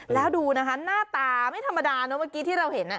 แล้วดูนะคะหน้าตาไม่ธรรมดานะเมื่อกี้ที่เราเห็น